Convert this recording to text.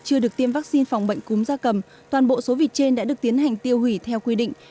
chưa được tiêm vaccine phòng bệnh cúm da cầm toàn bộ số vịt trên đã được tiến hành tiêu hủy theo quy định